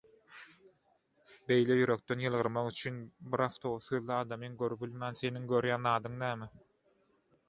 Beýle ýürekden ýylgyrmak üçin bir awtobus "gözli" adamyň görübilmän seniň görýän zadyň näme?